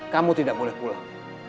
kamu tidak boleh pulang